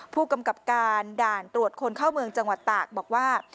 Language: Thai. ผู้กำกับการด่านตรวจคนเข้าเมืองจังหวัดตากบอกว่า